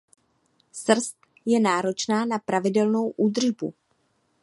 Srst je náročná na pravidelnou údržbu.